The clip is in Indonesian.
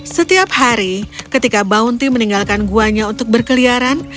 setiap hari ketika bounty meninggalkan gua nya untuk berkeliaran